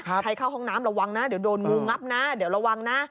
ใครเข้าห้องน้ำระวังนะเดี๋ยวโดนงูงับนะเดี๋ยวระวังนะ